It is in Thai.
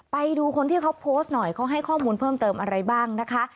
ไปดูคนที่เขาโพสต์หน่อยเขาให้ข้อมูลเพิ่มเติมอะไรบ้างนะคะ